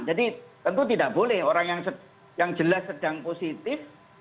tentu tidak boleh orang yang jelas sedang positif